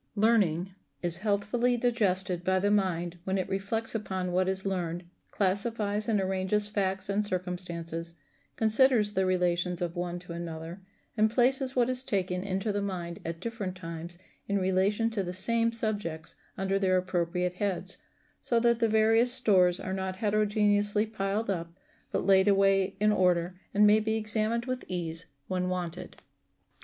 Learning is healthfully digested by the mind when it reflects upon what is learned, classifies and arranges facts and circumstances, considers the relations of one to another, and places what is taken into the mind at different times in relation to the same subjects under their appropriate heads, so that the various stores are not heterogeneously piled up, but laid away in order, and may be examined with ease when wanted.